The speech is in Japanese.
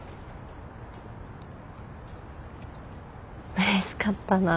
うれしかったなぁ。